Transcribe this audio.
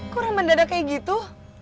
kok orang mendadak kayak gitu